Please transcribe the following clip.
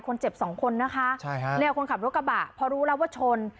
คนเจ็บสองคนนะคะใช่ฮะเนี่ยคนขับรถกระบะพอรู้แล้วว่าชน